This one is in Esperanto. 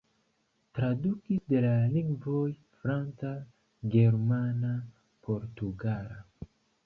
Tradukis de la lingvoj franca, germana, portugala.